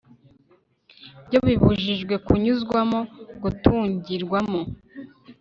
byo bibujijwe kunyuzwamo gutungirwamo